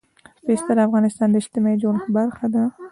پسه د افغانستان د اجتماعي جوړښت برخه ده.